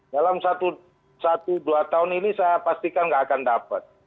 dalam satu dua tahun ini saya pastikan nggak akan dapat